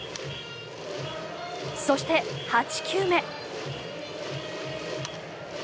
そして８球目。